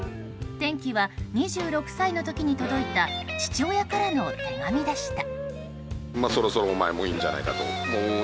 転機は２６歳の時に届いた父親からの手紙でした。